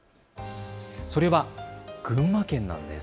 それは群馬県なんです。